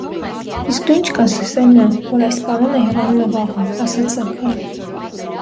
- Իսկ դո՞ւ ինչ կասես, Էմմա, որ այս պարոնը հեռանում է վաղը,- ասաց Զաքարը: